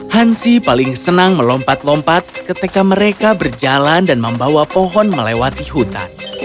hansi paling senang melompat lompat ketika mereka berjalan dan membawa pohon melewati hutan